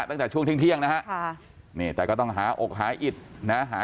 ตั้งแต่ช่วงเที่ยงนะฮะนี่แต่ก็ต้องหาอกหาอิดนะหา